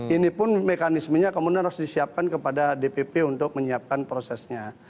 ini pun mekanismenya kemudian harus disiapkan kepada dpp untuk menyiapkan prosesnya